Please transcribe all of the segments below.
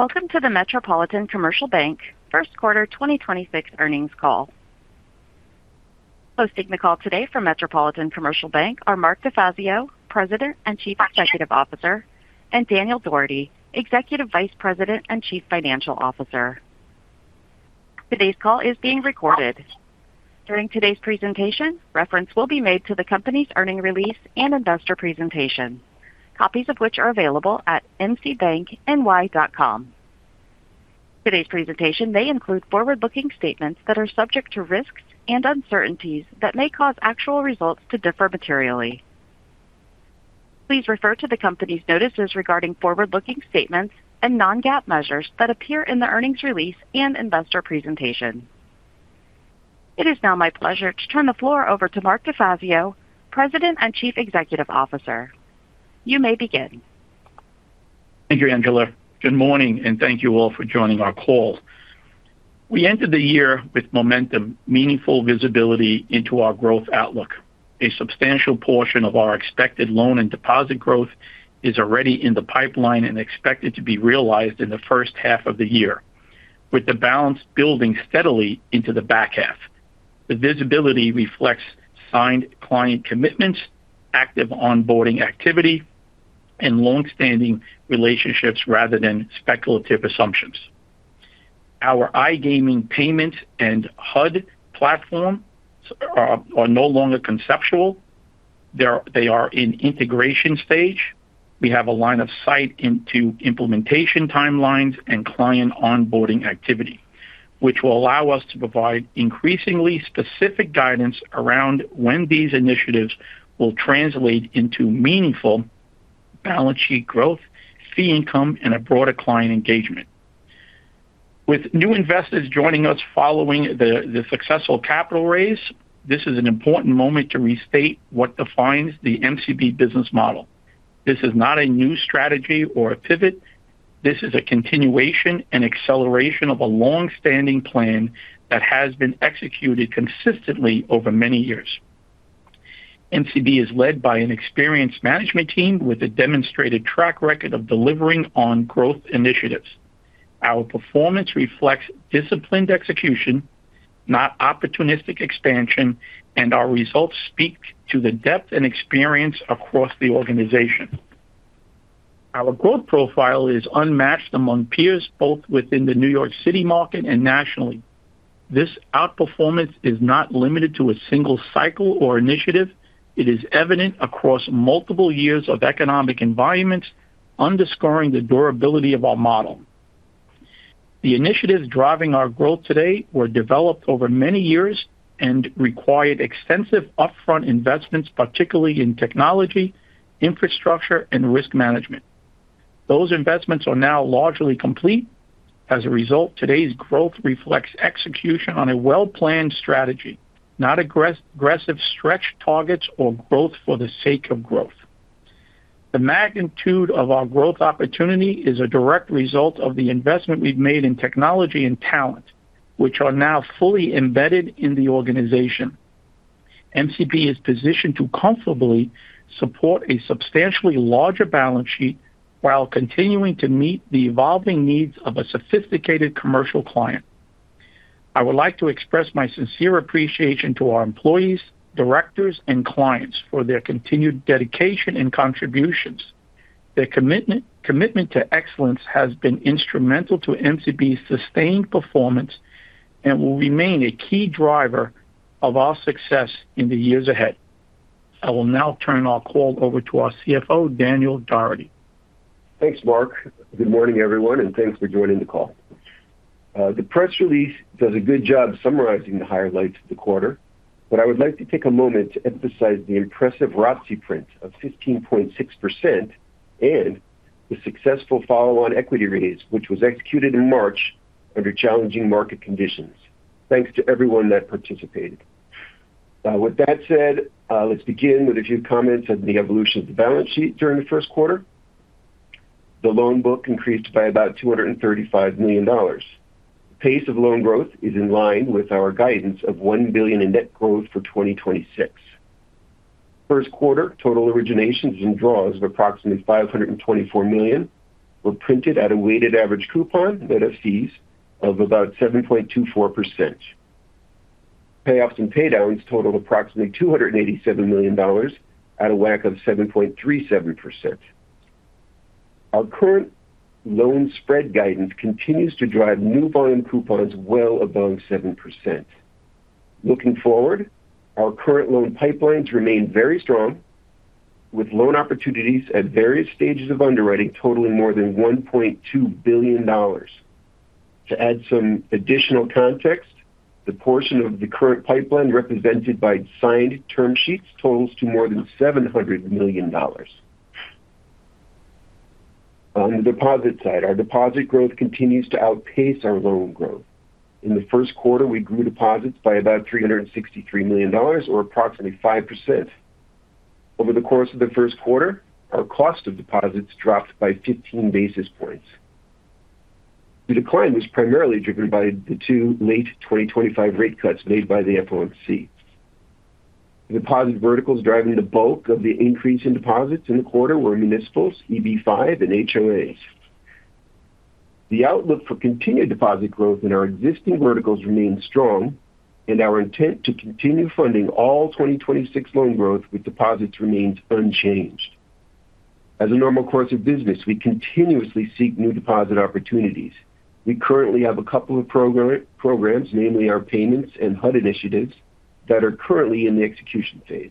Welcome to the Metropolitan Commercial Bank First Quarter 2026 Earnings Call. Hosting the call today from Metropolitan Commercial Bank are Mark DeFazio, President and Chief Executive Officer, and Daniel Dougherty, Executive Vice President and Chief Financial Officer. Today's call is being recorded. During today's presentation, reference will be made to the company's earnings release and investor presentation, copies of which are available at mcbankny.com. Today's presentation may include forward-looking statements that are subject to risks and uncertainties that may cause actual results to differ materially. Please refer to the company's notices regarding forward-looking statements and non-GAAP measures that appear in the earnings release and investor presentation. It is now my pleasure to turn the floor over to Mark DeFazio, President and Chief Executive Officer. You may begin. Thank you, Angela. Good morning, and thank you all for joining our call. We entered the year with momentum, meaningful visibility into our growth outlook. A substantial portion of our expected loan and deposit growth is already in the pipeline and expected to be realized in the first half of the year, with the balance building steadily into the back half. The visibility reflects signed client commitments, active onboarding activity, and long-standing relationships rather than speculative assumptions. Our iGaming payment and HUD platform are no longer conceptual. They are in integration stage. We have a line of sight into implementation timelines and client onboarding activity, which will allow us to provide increasingly specific guidance around when these initiatives will translate into meaningful balance sheet growth, fee income, and a broader client engagement. With new investors joining us following the successful capital raise, this is an important moment to restate what defines the MCB business model. This is not a new strategy or a pivot. This is a continuation and acceleration of a long-standing plan that has been executed consistently over many years. MCB is led by an experienced management team with a demonstrated track record of delivering on growth initiatives. Our performance reflects disciplined execution, not opportunistic expansion, and our results speak to the depth and experience across the organization. Our growth profile is unmatched among peers, both within the New York City market and nationally. This outperformance is not limited to a single cycle or initiative. It is evident across multiple years of economic environments, underscoring the durability of our model. The initiatives driving our growth today were developed over many years and required extensive upfront investments, particularly in technology, infrastructure, and risk management. Those investments are now largely complete. As a result, today's growth reflects execution on a well-planned strategy, not aggressive stretched targets or growth for the sake of growth. The magnitude of our growth opportunity is a direct result of the investment we've made in technology and talent, which are now fully embedded in the organization. MCB is positioned to comfortably support a substantially larger balance sheet while continuing to meet the evolving needs of a sophisticated commercial client. I would like to express my sincere appreciation to our employees, directors, and clients for their continued dedication and contributions. Their commitment to excellence has been instrumental to MCB's sustained performance and will remain a key driver of our success in the years ahead. I will now turn our call over to our CFO, Daniel F. Dougherty. Thanks, Mark. Good morning, everyone, and thanks for joining the call. The press release does a good job summarizing the highlights of the quarter, but I would like to take a moment to emphasize the impressive ROCE print of 15.6% and the successful follow-on equity raise, which was executed in March under challenging market conditions. Thanks to everyone that participated. With that said, let's begin with a few comments on the evolution of the balance sheet during the first quarter. The loan book increased by about $235 million. Pace of loan growth is in line with our guidance of $1 billion in net growth for 2026. First quarter total originations and draws of approximately $524 million were printed at a weighted average coupon net of fees of about 7.24%. Payoffs and paydowns totaled approximately $287 million at a WAC of 7.37%. Our current loan spread guidance continues to drive new volume coupons well above 7%. Looking forward, our current loan pipelines remain very strong, with loan opportunities at various stages of underwriting totaling more than $1.2 billion. To add some additional context, the portion of the current pipeline represented by signed term sheets totals to more than $700 million. On the deposit side, our deposit growth continues to outpace our loan growth. In the first quarter, we grew deposits by about $363 million or approximately 5%. Over the course of the first quarter, our cost of deposits dropped by 15 basis points. The decline was primarily driven by the two late 2025 rate cuts made by the FOMC. Deposit verticals driving the bulk of the increase in deposits in the quarter were municipals, EB-5, and HOAs. The outlook for continued deposit growth in our existing verticals remains strong, and our intent to continue funding all 2026 loan growth with deposits remains unchanged. As a normal course of business, we continuously seek new deposit opportunities. We currently have a couple of programs, namely our payments and HUD initiatives, that are currently in the execution phase.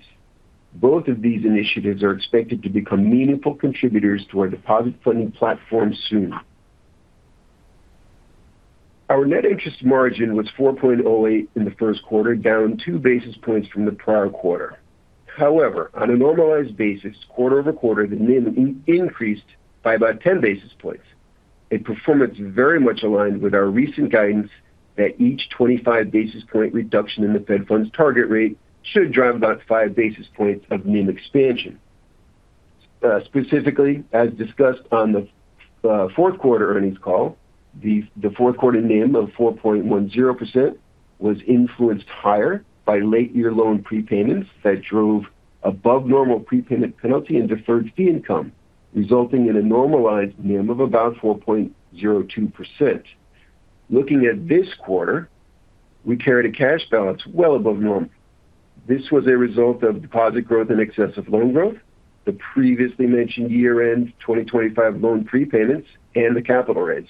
Both of these initiatives are expected to become meaningful contributors to our deposit funding platform soon. Our net interest margin was 4.08 in the first quarter, down 2 basis points from the prior quarter. However, on a normalized basis, quarter-over-quarter, the NIM increased by about 10 basis points, a performance very much aligned with our recent guidance that each 25 basis point reduction in the Fed funds target rate should drive about five basis points of NIM expansion. Specifically, as discussed on the fourth quarter earnings call, the fourth quarter NIM of 4.10% was influenced higher by late-year loan prepayments that drove above normal prepayment penalty and deferred fee income, resulting in a normalized NIM of about 4.02%. Looking at this quarter, we carried a cash balance well above normal. This was a result of deposit growth in excess of loan growth, the previously mentioned year-end 2025 loan prepayments, and the capital raise.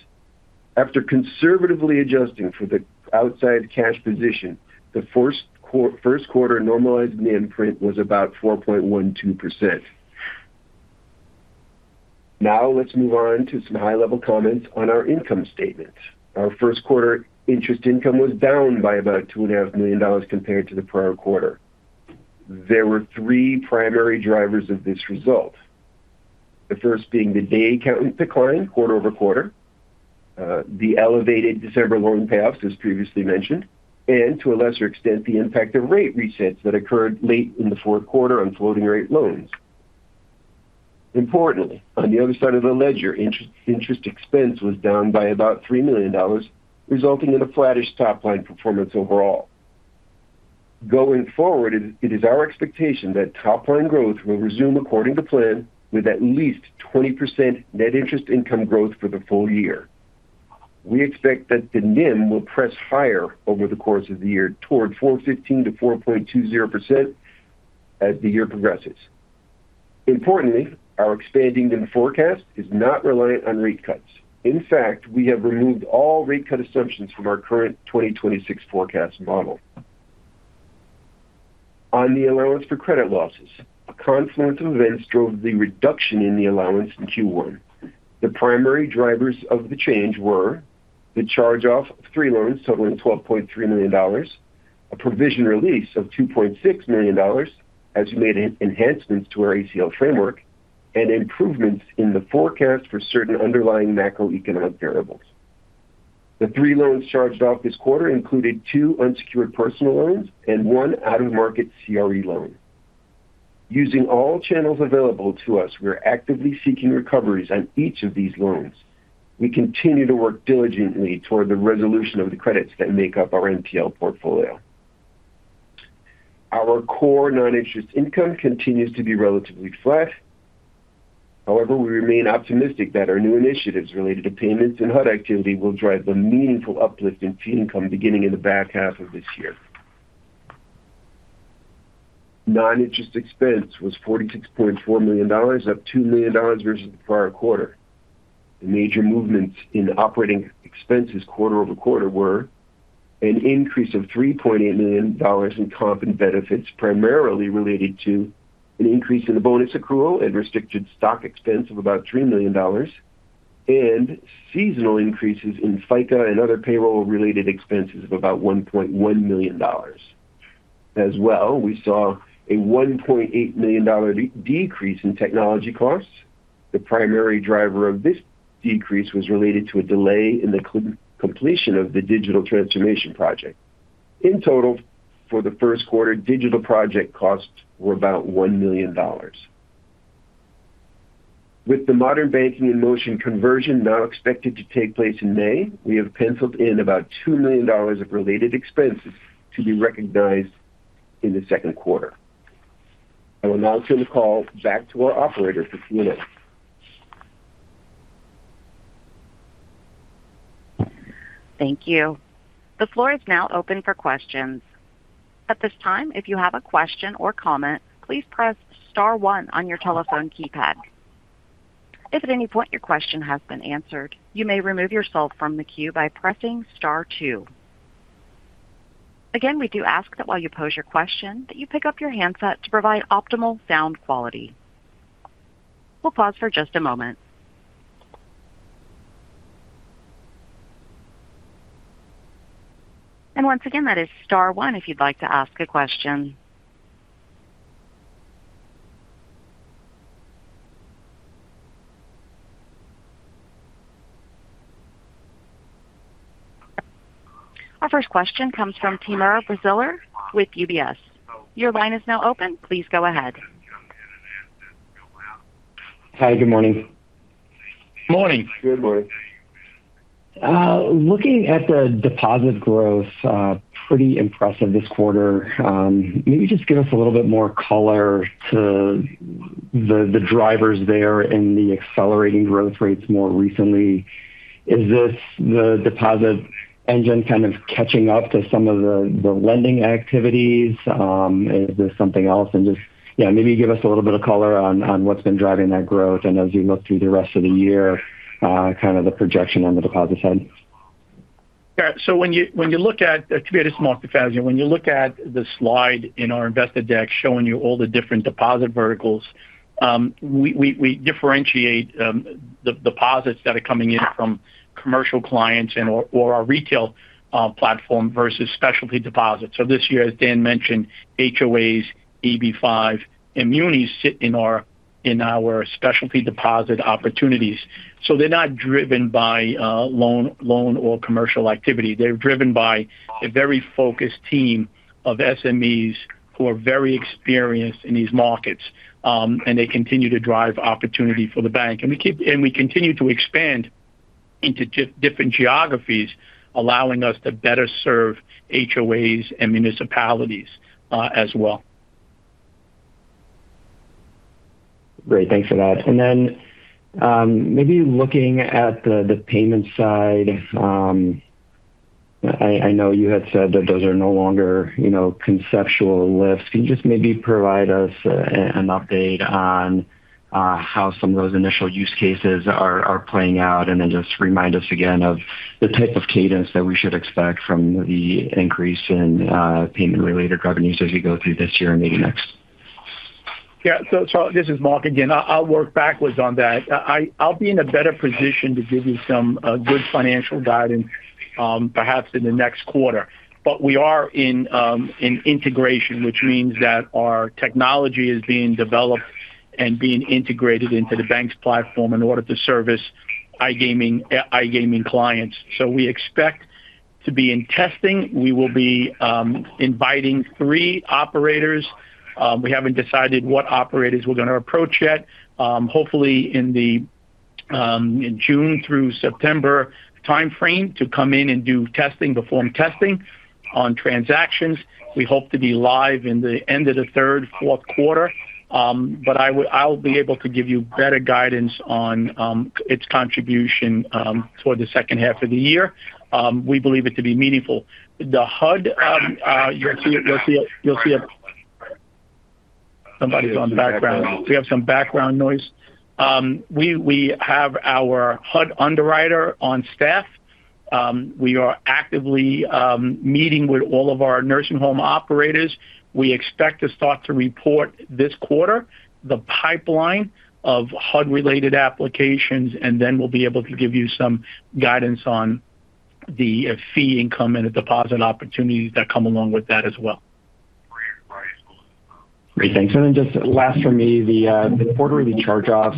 After conservatively adjusting for the outsized cash position, the first quarter normalized NIM print was about 4.12%. Now let's move on to some high-level comments on our income statement. Our first quarter interest income was down by about $2.5 million compared to the prior quarter. There were three primary drivers of this result. The first being the day count decline quarter-over-quarter, the elevated December loan payoffs, as previously mentioned, and to a lesser extent, the impact of rate resets that occurred late in the fourth quarter on floating rate loans. Importantly, on the other side of the ledger, interest expense was down by about $3 million, resulting in a flattish top line performance overall. Going forward, it is our expectation that top line growth will resume according to plan, with at least 20% net interest income growth for the full year. We expect that the NIM will push higher over the course of the year toward 4.15%-4.20% as the year progresses. Importantly, our expanding NIM forecast is not reliant on rate cuts. In fact, we have removed all rate cut assumptions from our current 2026 forecast model. On the allowance for credit losses, a confluence of events drove the reduction in the allowance in Q1. The primary drivers of the change were the charge-off of three loans totaling $12.3 million, a provision release of $2.6 million as we made enhancements to our ACL framework, and improvements in the forecast for certain underlying macroeconomic variables. The three loans charged off this quarter included two unsecured personal loans and one out-of-market CRE loan. Using all channels available to us, we are actively seeking recoveries on each of these loans. We continue to work diligently toward the resolution of the credits that make up our NPL portfolio. Our core non-interest income continues to be relatively flat. However, we remain optimistic that our new initiatives related to payments and HUD activity will drive a meaningful uplift in fee income beginning in the back half of this year. Noninterest expense was $46.4 million, up $2 million versus the prior quarter. The major movements in operating expenses quarter-over-quarter were an increase of $3.8 million in comp and benefits, primarily related to an increase in the bonus accrual and restricted stock expense of about $3 million, and seasonal increases in FICA and other payroll-related expenses of about $1.1 million. As well, we saw a $1.8 million decrease in technology costs. The primary driver of this decrease was related to a delay in the completion of the digital transformation project. In total, for the first quarter, digital project costs were about $1 million. With the Modern Banking in Motion conversion now expected to take place in May, we have penciled in about $2 million of related expenses to be recognized in the second quarter. I will now turn the call back to our operator for Q&A. Thank you. The floor is now open for questions. At this time, if you have a question or comment, please press star one on your telephone keypad. If at any point your question has been answered, you may remove yourself from the queue by pressing star two. Again, we do ask that while you pose your question, that you pick up your handset to provide optimal sound quality. We'll pause for just a moment. Once again, that is star one if you'd like to ask a question. Our first question comes from Timur Braziler with UBS. Your line is now open. Please go ahead. Hi. Good morning. Morning. Good morning. Looking at the deposit growth, pretty impressive this quarter. Maybe just give us a little bit more color to the drivers there and the accelerating growth rates more recently. Is this the deposit engine kind of catching up to some of the lending activities? Is this something else? Just maybe give us a little bit of color on what's been driving that growth and as you look through the rest of the year, kind of the projection on the deposit side. So when you look at the slide in our investor deck showing you all the different deposit verticals, we differentiate the deposits that are coming in from commercial clients or our retail platform versus specialty deposits. This year, as Dan mentioned, HOAs, EB-5, and munis sit in our specialty deposit opportunities. They're not driven by loan or commercial activity. They're driven by a very focused team of SMEs who are very experienced in these markets. We continue to expand into different geographies, allowing us to better serve HOAs and municipalities as well. Great, thanks for that. Maybe looking at the payment side. I know you had said that those are no longer conceptual lifts. Can you just maybe provide us an update on how some of those initial use cases are playing out? Just remind us again of the type of cadence that we should expect from the increase in payment-related revenues as we go through this year and maybe next. Yeah. This is Mark again. I'll work backwards on that. I'll be in a better position to give you some good financial guidance perhaps in the next quarter. We are in integration, which means that our technology is being developed and being integrated into the bank's platform in order to service iGaming clients. We expect to be in testing. We will be inviting three operators. We haven't decided what operators we're going to approach yet. Hopefully in June through September timeframe to come in and do testing, perform testing on transactions. We hope to be live in the end of the third, fourth quarter. I'll be able to give you better guidance on its contribution for the second half of the year. We believe it to be meaningful. You'll see somebody's on background. We have some background noise. We have our HUD underwriter on staff. We are actively meeting with all of our nursing home operators. We expect to start to report this quarter the pipeline of HUD-related applications, and then we'll be able to give you some guidance on the fee income and the deposit opportunities that come along with that as well. Great, thanks. Just last for me, the quarterly charge-offs.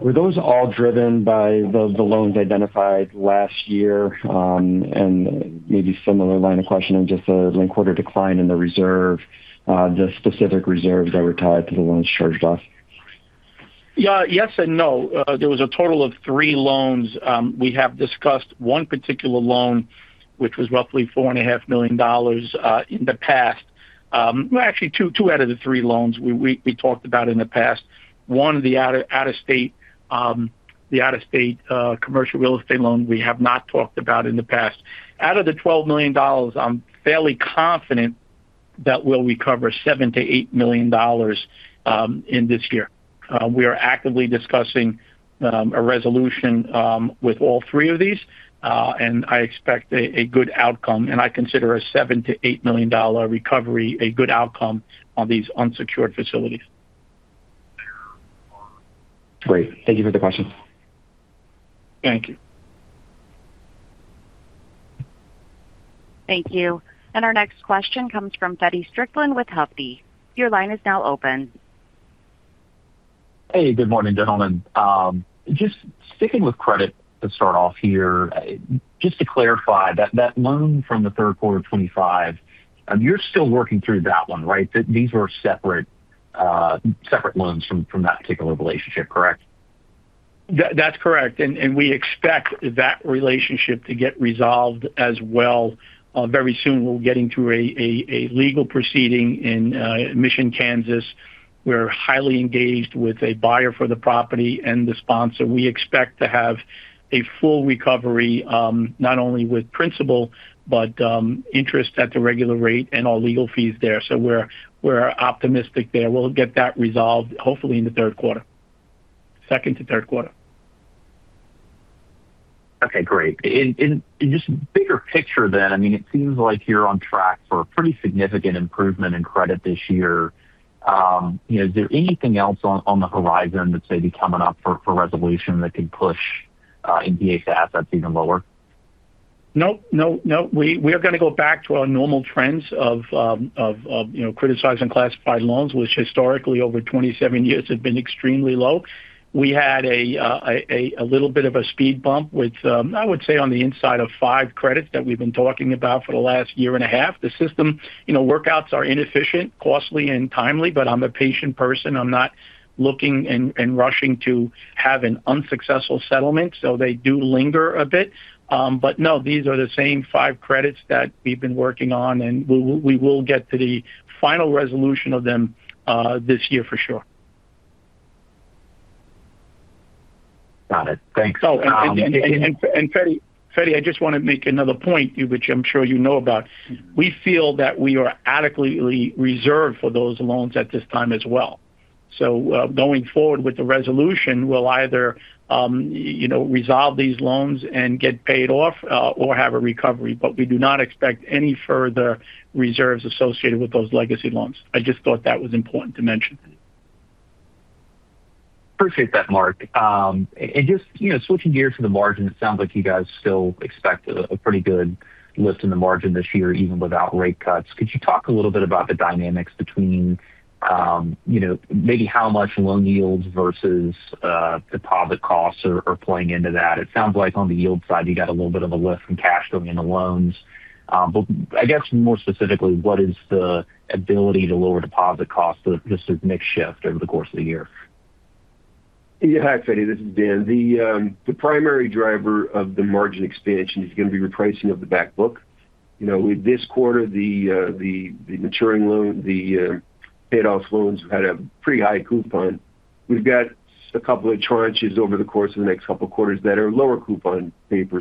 Were those all driven by the loans identified last year? Maybe similar line of questioning, just the linked quarter decline in the reserve, the specific reserves that were tied to the loans charged off? Yes and no. There was a total of three loans. We have discussed one particular loan, which was roughly $4.5 million, in the past. Well, actually two out of the three loans we talked about in the past. One, the out-of-state commercial real estate loan we have not talked about in the past. Out of the $12 million, I'm fairly confident that we'll recover $7-$8 million in this year. We are actively discussing a resolution with all three of these. I expect a good outcome, and I consider a $7-$8 million recovery a good outcome on these unsecured facilities. Great. Thank you for the question. Thank you. Thank you. Our next question comes from Feddie Strickland with Hovde. Your line is now open. Hey, good morning, gentlemen. Just sticking with credit to start off here. Just to clarify, that loan from the third quarter of 2025, you're still working through that one, right? These were separate loans from that particular relationship, correct? That's correct. We expect that relationship to get resolved as well very soon. We're getting to a legal proceeding in Mission, Kansas. We're highly engaged with a buyer for the property and the sponsor. We expect to have a full recovery, not only with principal, but interest at the regular rate and all legal fees there. We're optimistic there. We'll get that resolved hopefully in the second to third quarter. Okay, great. In the bigger picture then, it seems like you're on track for a pretty significant improvement in credit this year. Is there anything else on the horizon that may be coming up for resolution that could push NPA to assets even lower? No. We are going to go back to our normal trends of criticizing classified loans, which historically over 27 years have been extremely low. We had a little bit of a speed bump with, I would say inside of five credits that we've been talking about for the last year and a half. The system workouts are inefficient, costly, and time-consuming. I'm a patient person. I'm not looking to rush to have an unsuccessful settlement, so they do linger a bit. No, these are the same five credits that we've been working on, and we will get to the final resolution of them this year for sure. Got it. Thanks. Oh, Freddy, I just want to make another point, which I'm sure you know about. We feel that we are adequately reserved for those loans at this time as well. Going forward with the resolution, we'll either resolve these loans and get paid off or have a recovery. We do not expect any further reserves associated with those legacy loans. I just thought that was important to mention. Appreciate that, Mark. Just switching gears to the margin, it sounds like you guys still expect a pretty good lift in the margin this year, even without rate cuts. Could you talk a little bit about the dynamics between maybe how much loan yields versus deposit costs are playing into that? It sounds like on the yield side, you got a little bit of a lift from cash coming into loans. But I guess more specifically, what is the ability to lower deposit costs as this mix shift over the course of the year? Yeah. Hi, Freddy, this is Dan. The primary driver of the margin expansion is going to be repricing of the back book. With this quarter, the maturing loan, the paid-off loans had a pretty high coupon. We've got a couple of tranches over the course of the next couple of quarters that are lower coupon paper.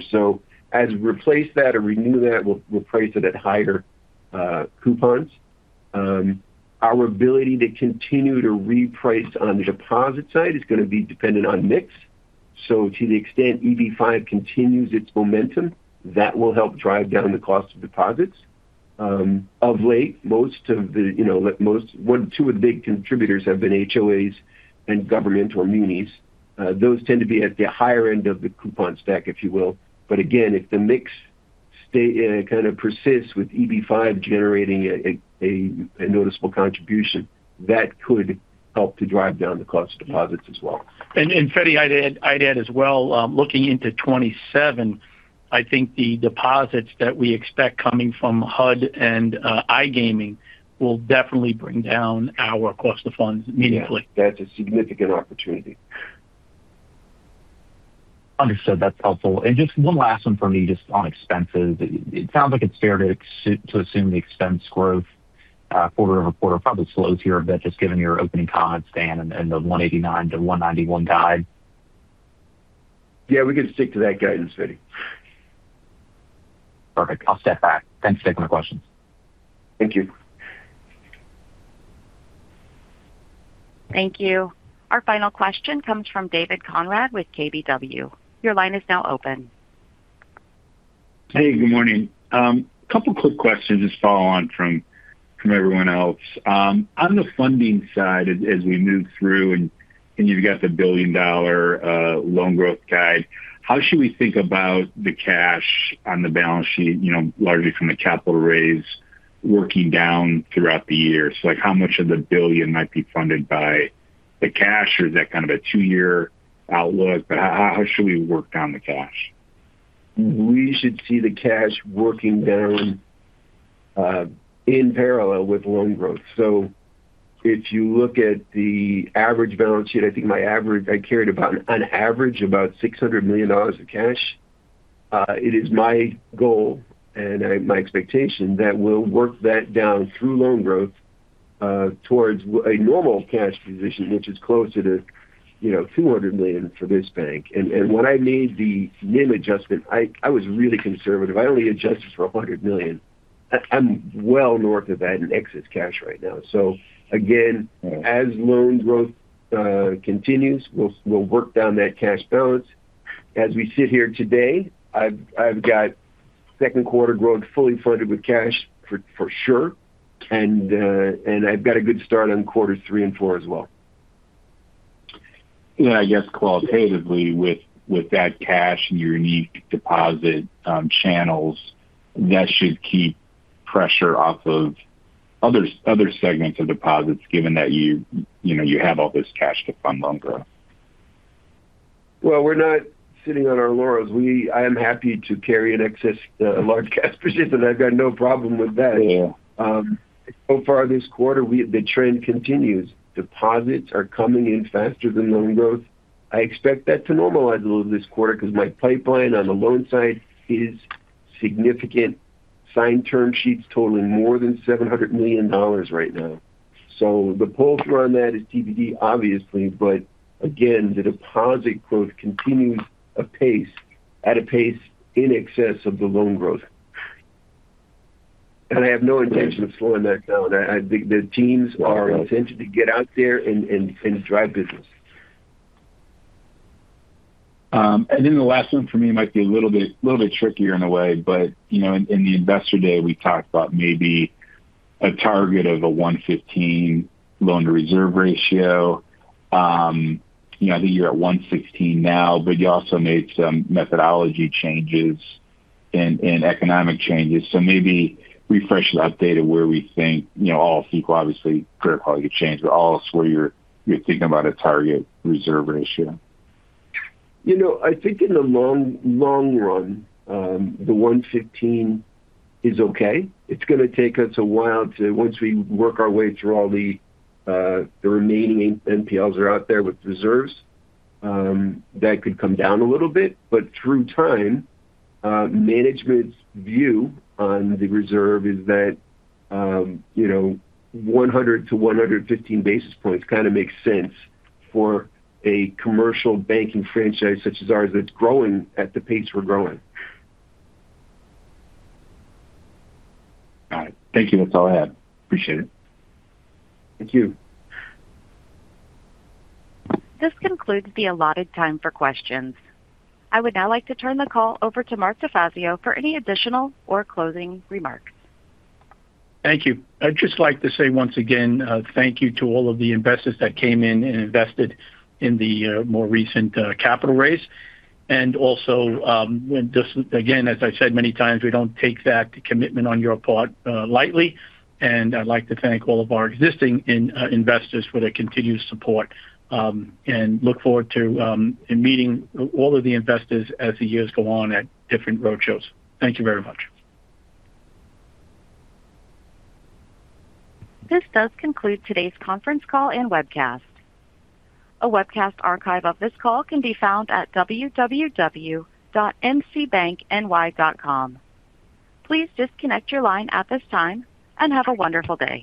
As we replace that or renew that, we'll price it at higher coupons. Our ability to continue to reprice on the deposit side is going to be dependent on mix. To the extent EB-5 continues its momentum, that will help drive down the cost of deposits. Of late, two of the big contributors have been HOAs and governmental munis. Those tend to be at the higher end of the coupon stack, if you will. But Again, if the mix kind of persists with EB-5 generating a noticeable contribution, that could help to drive down the cost of deposits as well. Freddy, I'd add as well, looking into 2027, I think the deposits that we expect coming from HUD and iGaming will definitely bring down our cost of funds immediately. Yeah. That's a significant opportunity. Understood. That's helpful. Just one last one from me just on expenses. It sounds like it's fair to assume the expense growth quarter-over-quarter probably slows here a bit, just given your opening comments, Dan, and the $189-$191 guide. Yeah, we can stick to that guidance, Feddie. Perfect. I'll step back. Thanks for taking my questions. Thank you. Thank you. Our final question comes from David Konrad with KBW. Your line is now open. Hey, good morning. Couple quick questions just follow on from everyone else. On the funding side, as we move through and you've got the billion-dollar loan growth guide, how should we think about the cash on the balance sheet largely from the capital raise working down throughout the year? So like how much of the billion might be funded by the cash or is that kind of a two-year outlook? How should we work down the cash? We should see the cash working down in parallel with loan growth. If you look at the average balance sheet, I think I carried about $600 million of cash. It is my goal and my expectation that we'll work that down through loan growth towards a normal cash position, which is closer to $200 million for this bank. When I made the NIM adjustment, I was really conservative. I only adjusted for $100 million. I'm well north of that in excess cash right now. Again, as loan growth continues, we'll work down that cash balance. As we sit here today, I've got second quarter growth fully funded with cash for sure. I've got a good start on quarters three and four as well. Yeah, I guess qualitatively with that cash and your unique deposit channels, that should keep pressure off of other segments of deposits given that you have all this cash to fund loan growth. Well, we're not sitting on our laurels. I am happy to carry an excess large cash position. I've got no problem with that. Yeah. So far this quarter, the trend continues. Deposits are coming in faster than loan growth. I expect that to normalize a little this quarter because my pipeline on the loan side is significant. Signed term sheets totaling more than $700 million right now. The pull-through on that is TBD obviously, but again, the deposit growth continues at a pace in excess of the loan growth. I have no intention of slowing that down. The teams are incentivized to get out there and drive business. Then the last one for me might be a little bit trickier in a way, but in the Investor Day, we talked about maybe a target of a 115 loan-to-reserve ratio. I think you're at 116 now, but you also made some methodology changes and economic changes. Maybe refresh and update where we think, all else equal obviously, credit quality change, but all else where you're thinking about a target reserve ratio. I think in the long run, the 115 is okay. It's going to take us a while once we work our way through all the remaining NPLs that are out there with reserves, that could come down a little bit. Through time, management's view on the reserve is that 100-115 basis points kind of makes sense for a commercial banking franchise such as ours that's growing at the pace we're growing. Got it. Thank you. That's all I had. Appreciate it. Thank you. This concludes the allotted time for questions. I would now like to turn the call over to Mark DeFazio for any additional or closing remarks. Thank you. I'd just like to say once again, thank you to all of the investors that came in and invested in the more recent capital raise. Also just again, as I said many times, we don't take that commitment on your part lightly. I'd like to thank all of our existing investors for their continued support and look forward to meeting all of the investors as the years go on at different roadshows. Thank you very much. This does conclude today's conference call and webcast. A webcast archive of this call can be found at www.mcbankny.com. Please disconnect your line at this time and have a wonderful day.